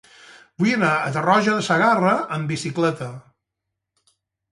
Vull anar a Tarroja de Segarra amb bicicleta.